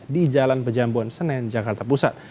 di jalan pejambon senen jakarta pusat